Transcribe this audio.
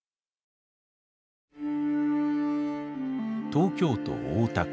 東京都大田区。